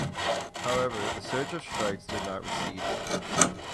However, the surge of strikes did not recede.